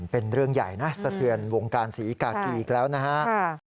เป็นเรื่องใหญ่นะสะเทือนวงการศรีกากีอีกแล้วนะครับ